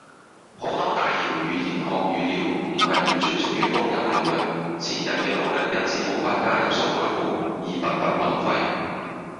好多大型語言學語料唔係完全屬於公有領域。前人既努力因此無法加入數據庫，而白白浪費